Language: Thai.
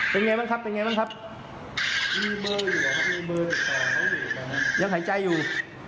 เป็นไงบ้างครับเป็นไงบ้างครับมีเบอร์อยู่เหรอครับมีเบอร์ของยังหายใจอยู่